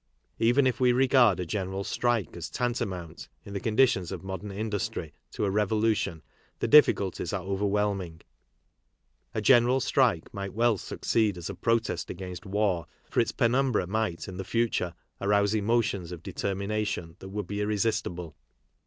Even if we regard a general strike as tantamount, in the conditions of modern industry, to a revolution the difficulties are overwhelming. A general strike might well succeed as a protest against war, for its penumbra might, in the future, arouse emotions of determination that would be irresistible.